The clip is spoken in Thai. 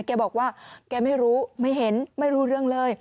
แกบอกว่าแกไม่รู้ไม่เห็นไม่รู้เรื่องเลย